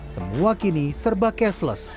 semua kini serba keseles